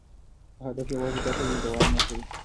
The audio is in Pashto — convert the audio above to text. که هدف یوازې ګټه وي، دوام نه کوي.